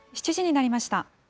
７時になりました。